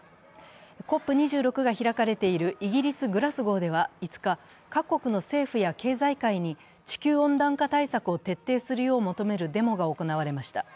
ＣＯＰ２６が開かれているイギリス・グラスゴーでは５日、各国の政府や経済界に地球温暖化対策を徹底するよう求めるデモが行われました。